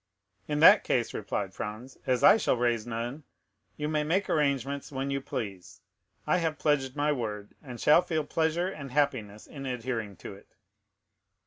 "In that case," replied Franz, "as I shall raise none, you may make arrangements when you please; I have pledged my word, and shall feel pleasure and happiness in adhering to it."